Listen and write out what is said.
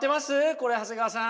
これ長谷川さん。